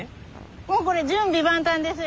もうこれ準備万端ですよ。